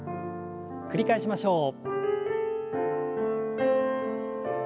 繰り返しましょう。